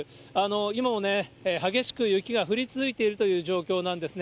今もね、激しく雪が降り続いているという状況なんですね。